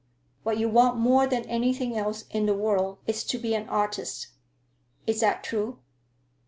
What you want more than anything else in the world is to be an artist; is that true?"